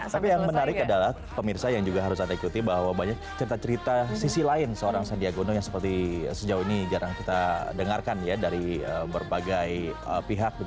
tapi yang menarik adalah pemirsa yang juga harus ada ikuti bahwa banyak cerita cerita sisi lain seorang sandiagono yang seperti sejauh ini jarang kita dengarkan ya dari berbagai pihak